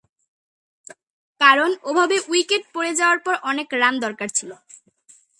কারণ, ওভাবে উইকেট পড়ে যাওয়ার পর অনেক রান দরকার ছিল।